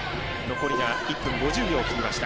残りが１分５０秒を切りました。